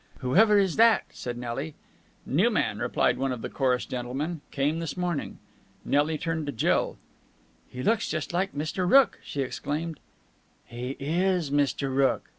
"Whoever is that?" said Nelly. "New man," replied one of the chorus gentlemen. "Came this morning." Nelly turned to Jill. "He looks just like Mr. Rooke!" she exclaimed. "He is Mr. Rooke!"